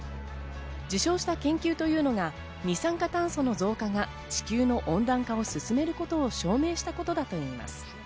受賞した研究というのが二酸化炭素の増加が地球の温暖化を進めることを証明したことだといいます。